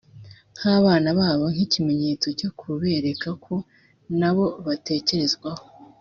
n’abana babo nk’ikimenyetso cyo kubereka ko nabo batekerezwaho